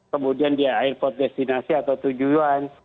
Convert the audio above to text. kemudian dia airport destinasi atau tujuan